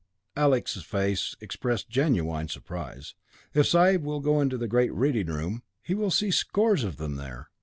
Alec's face expressed genuine surprise. 'If sahib will go into the great reading room, he will see scores of them there.